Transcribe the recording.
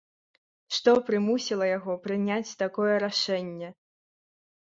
Што прымусіла яго прыняць такое рашэнне?